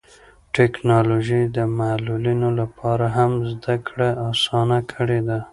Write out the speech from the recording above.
ټیکنالوژي د معلولینو لپاره هم زده کړه اسانه کړې ده.